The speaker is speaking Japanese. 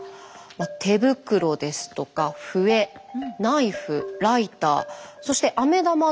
手袋ですとか笛ナイフライターそしてアメ玉７個などなど。